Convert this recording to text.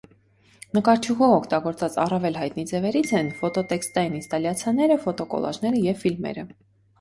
Նկարչուհու օգտագործած առավել հայտնի ձևերից են ֆոտոտեքստային ինստալյացիաները, ֆոտոկոլաժները և ֆիլմերը։